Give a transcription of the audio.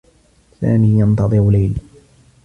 سامي ينتظر ليلى.